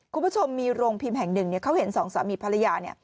คุณผู้ชมมีโรงพิมพ์แห่งหนึ่งเขาเห็นสองสามีภรรยา